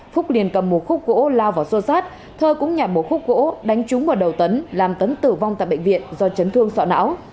phúc liền cầm một khúc gỗ lao vào xô xát thơ cũng nhả một khúc gỗ đánh trúng vào đầu tấn làm tấn tử vong tại bệnh viện do chấn thương sọ não